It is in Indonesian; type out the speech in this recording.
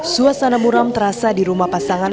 suasana muram terasa di rumah pasangan